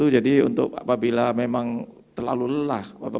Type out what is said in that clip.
jadi untuk apabila memang terlalu lelah